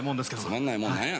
つまんないもんなんや？